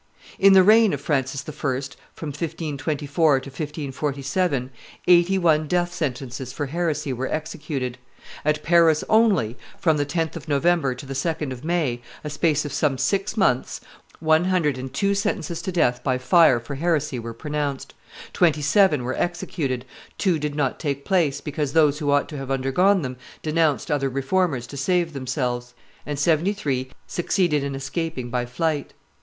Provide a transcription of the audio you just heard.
In the reign of Francis I., from 1524 to 1547, eighty one death sentences for heresy were executed. At Paris only, from the 10th of November to the 2d of May, a space of some six months, one hundred and two sentences to death by fire for heresy were pronounced; twenty seven were executed; two did not take place, because those who ought to have undergone them denounced other Reformers to save themselves; and seventy three succeeded in escaping by flight.